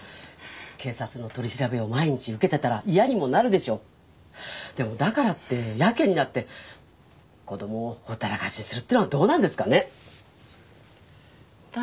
警察の取り調べを毎日受けてたら嫌にもなるでしょうでもだからってやけになって子どもをほったらかしにするってのはどうなんですかね誰？